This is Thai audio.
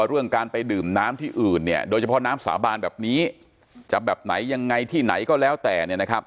เรื่องการไปดื่มน้ำที่อื่นโดยเฉพาะน้ำสาบานแบบนี้จะแบบไหนยังไงที่ไหนก็แล้วแต่